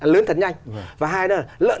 lớn thật nhanh và hai đó là lợn